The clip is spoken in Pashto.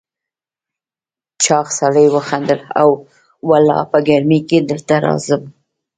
چاغ سړي وخندل: هو والله، په ګرمۍ کې دلته راځم.